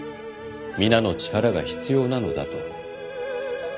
「皆の力が必要なのだ」と。